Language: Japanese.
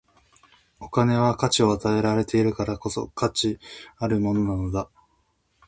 お金は価値を与えられているからこそ、価値あるものなのだ。